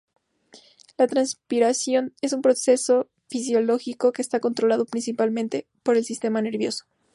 La transpiración es un proceso fisiológico que está controlado principalmente por el sistema nervioso.